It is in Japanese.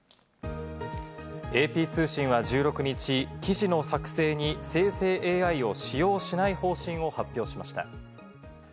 ＡＰ通信は１６日、記事の作成に生成ＡＩを使用しない方針を発表しました。